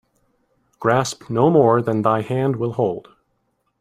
Grasp no more than thy hand will hold